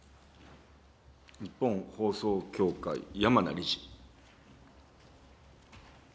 日本放送協会、山名理事。